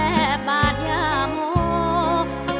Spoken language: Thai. แค่บาทยาหมู